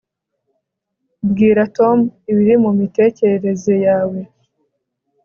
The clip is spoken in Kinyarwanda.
Bwira Tom ibiri mumitekerereze yawe